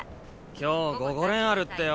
今日午後練あるってよ。